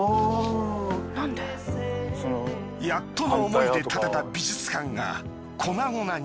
やっとの思いで建てた美術館が粉々に。